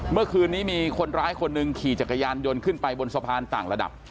เมื่อคืนนี้มีคนร้ายคนหนึ่งขี่จักรยานยนต์ขึ้นไปบนสะพานต่างระดับ